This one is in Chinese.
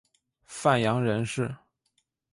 范阳人氏。